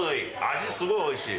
味もすごいおいしい。